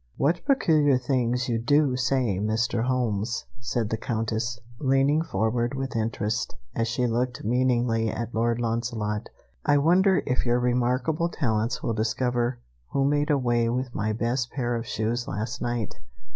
"What peculiar things you do say, Mr. Holmes," said the Countess, leaning forward with interest, as she looked meaningly at Lord Launcelot. "I wonder if your remarkable talents will discover who made away with my best pair of shoes last night.